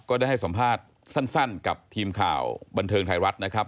ได้ให้สัมภาษณ์สั้นกับทีมข่าวบันเทิงไทยรัฐนะครับ